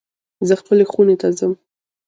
زه خپلی خونی ته ځم